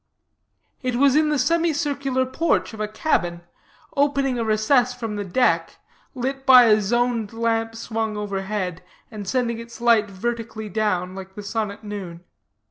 It was in the semicircular porch of a cabin, opening a recess from the deck, lit by a zoned lamp swung overhead, and sending its light vertically down, like the sun at noon.